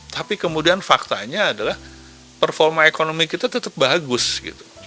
tapi kemudian faktanya adalah performa ekonomi kita tetap bagus gitu